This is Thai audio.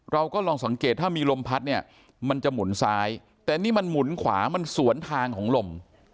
เราก็ลองสังเกตถ้ามีลมพัดเนี่ยมันจะหมุนซ้ายแต่นี่มันหมุนขวามันสวนทางของลม